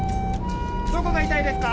どこが痛いですか？